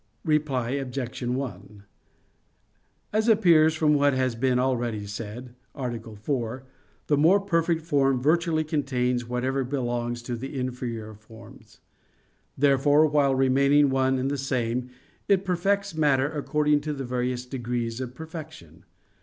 Reply Obj. 1: As appears from what has been already said (A. 4), the more perfect form virtually contains whatever belongs to the inferior forms; therefore while remaining one and the same, it perfects matter according to the various degrees of perfection.